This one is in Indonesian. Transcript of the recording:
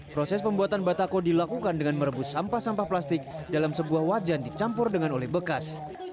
proses pembuatan batako dilakukan dengan merebus sampah sampah plastik dalam sebuah wajan dicampur dengan oleh bekas